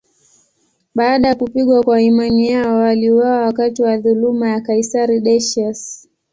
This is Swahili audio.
Baada ya kupigwa kwa imani yao, waliuawa wakati wa dhuluma ya kaisari Decius.